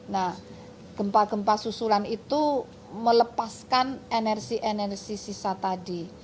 nah gempa gempa susulan itu melepaskan energi energi sisa tadi